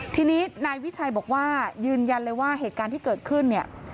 ทีนี้นายวิชัยบอกว่ายืนยันเลยว่าเหตุการณ์ที่เกิดขึ้นเนี่ย